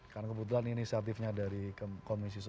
karena kebetulan inisiatifnya dari komisi sepuluh